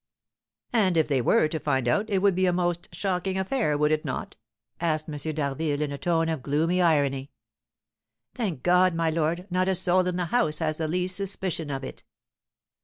"And if they were to find out, it would be a most shocking affair, would it not?" asked M. d'Harville, in a tone of gloomy irony. "Thank God, my lord, not a soul in the house has the least suspicion of it!"